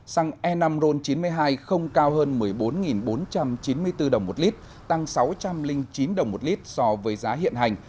xăng e năm ron chín mươi hai không cao hơn một mươi bốn bốn trăm chín mươi bốn đồng một lít tăng sáu trăm linh chín đồng một lít so với giá hiện hành